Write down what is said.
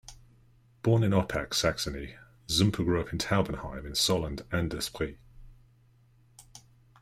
Born in Oppach, Saxony, Zumpe grew up in Taubenheim in Sohland an der Spree.